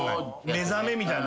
目覚めみたいな。